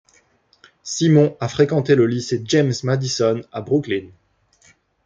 Simon a fréquenté le lycée James Madison à Brooklyn.